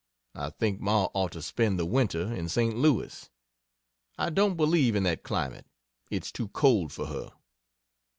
I think Ma ought to spend the winter in St. Louis. I don't believe in that climate it's too cold for her.